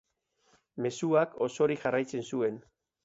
Mezuak osorik jarraitzen zuen.